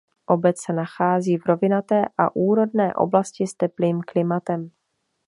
Obec se nachází v rovinaté a úrodné oblasti s teplým klimatem.